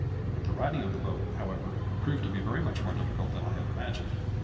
The righting of the boat, however, proved to be very much more difficult than I had imagined.